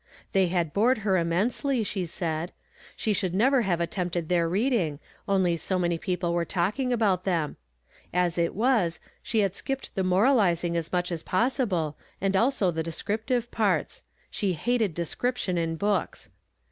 They had bored her immensely, she said ; she should never have attempted their reading, only so many ])eo[)le Avere talking about them ; as it was, she had skipped the moralizing as much as possible, and also the descriptive parts ; she hated descrip tion in books.